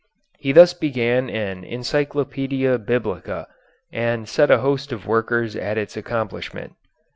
He thus began an "Encyclopedia Biblica," and set a host of workers at its accomplishment.